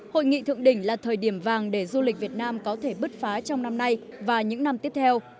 hội nghị thượng đỉnh là thời điểm vàng để du lịch việt nam có thể bứt phá trong năm nay và những năm tiếp theo